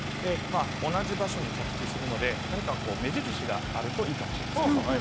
同じ場所に着地するので何か目印があるといいかもしれません。